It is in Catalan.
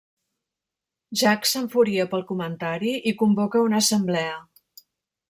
Jack s'enfuria pel comentari i convoca una assemblea.